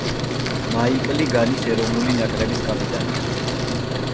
მაიკლი განის ეროვნული ნაკრების კაპიტანია.